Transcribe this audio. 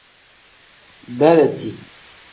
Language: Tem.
Beleeti.